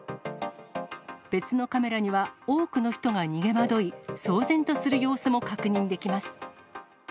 別のカメラには、多くの人が逃げまどい、騒然とする様子も確認できます。